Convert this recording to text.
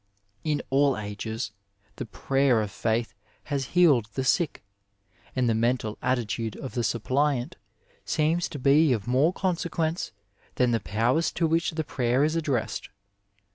In all ages the prayer of faith has healed the sick, and the mental attitude of the suppliant seems to be of more consequence than the powers to which the prayer is addressed.